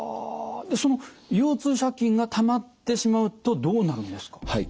その腰痛借金がたまってしまうとどうなるんですか？